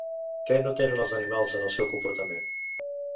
Què no tenen els animals en el seu comportament?